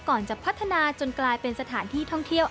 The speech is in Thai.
ก่อนจะพัฒนาจนกลายเป็นสถานที่ท่องเที่ยว